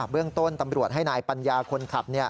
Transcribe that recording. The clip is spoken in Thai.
เรื่องต้นตำรวจให้นายปัญญาคนขับ